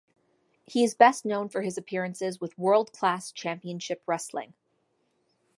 He is best known for his appearances with World Class Championship Wrestling.